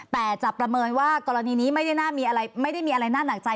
แต่จะประเมินว่ากรณีนี้ไม่ได้มีอะไรหน้านักใจ